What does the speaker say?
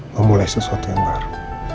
mau mulai sesuatu yang baru